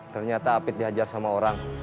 ternyata apit dihajar sama orang